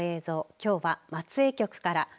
きょうは松江局から。